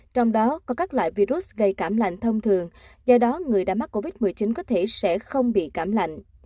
trong đó có các loại virus gây cảm lạnh thông thường do đó người đã mắc covid một mươi chín có thể sẽ không bị cảm lạnh